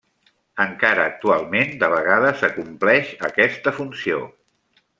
Encara actualment de vegades acompleix aquesta funció.